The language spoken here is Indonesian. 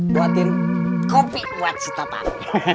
buatin kopi buat si tatang